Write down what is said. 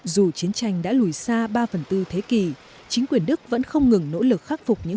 dù chiến tranh đã lùi xa ba phần tư thế kỷ chính quyền đức vẫn không ngừng nỗ lực khắc phục những